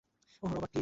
Oh, Robert, please.